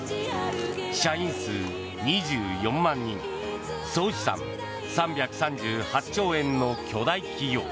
社員数２４万人総資産３３８兆円の巨大企業